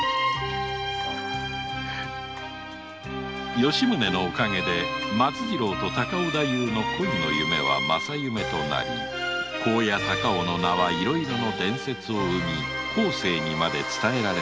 吉宗のお陰で松次郎と高尾太夫の恋の夢は正夢となり「紺屋高尾」の名は伝説を生み後世まで伝えられたのであった